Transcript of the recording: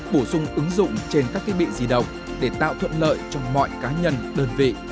bổ sung ứng dụng trên các thiết bị di động để tạo thuận lợi cho mọi cá nhân đơn vị